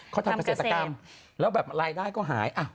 เขาทำเกษตรกรรมแล้วแบบรายได้ก็หาย